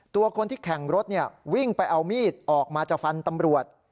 ตัวคนที่แข่งรถวิ่งไปเอามีดออกมาจะฟันตำรวจ